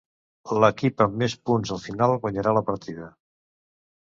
L'equip amb més punts al final, guanyarà la partida.